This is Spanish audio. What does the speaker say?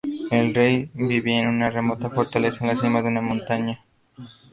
El rey vivía en una remota fortaleza en la cima de una montaña.